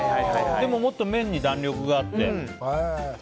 でも、もっと麺に弾力があって。